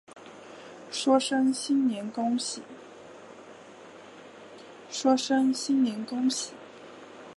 说声新年恭喜